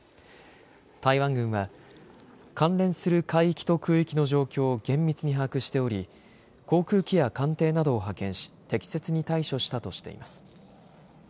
台湾軍は関連する海域と空域の状況を厳密に把握しており航空機や艦艇などを派遣し適切に対処したとしています。